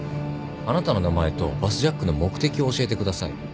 あなたの名前とバスジャックの目的を教えてください。